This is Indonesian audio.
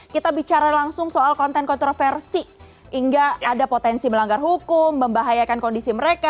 kita bicara langsung soal konten kontroversi hingga ada potensi melanggar hukum membahayakan kondisi mereka